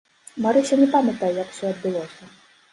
Марыся не памятае, як усё адбылося.